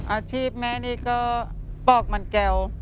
อาชีพแม่นี่ก็ปอกมันแก้ว